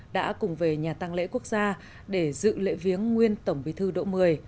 đã cùng về nhà tăng lễ quốc gia để dự lễ viếng nguyên tổng bí thư độ một mươi